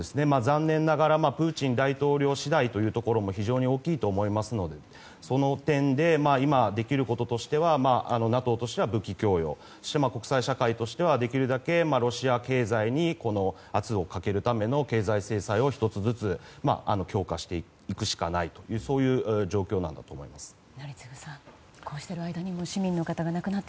残念ながらプーチン大統領次第というところも非常に大きいと思いますのでその点で今、できることとしてはＮＡＴＯとしては武器供与をして国際社会としてはできるだけロシア経済に圧をかけるための経済制裁を１つずつ強化していくしかないというそういう状況なんだと思います。